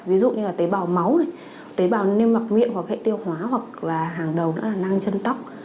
ví dụ như là tế bào máu tế bào niêm mặc miệng hệ tiêu hóa hoặc là hàng đầu là nang chân tóc